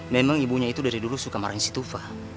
memang ibunya itu dari dulu suka marahin si tufa